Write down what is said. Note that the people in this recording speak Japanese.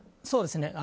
そうですね。